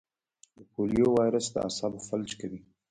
د پولیو وایرس د اعصابو فلج کوي.